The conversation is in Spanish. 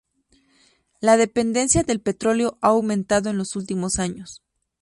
La dependencia del petróleo ha aumentado en los últimos años.